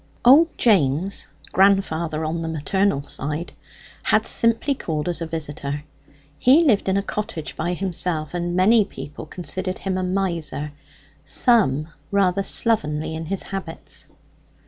Old James (grandfather on the maternal side) had simply called as a visitor. He lived in a cottage by himself, and many people considered him a miser; some, rather slovenly in his habits.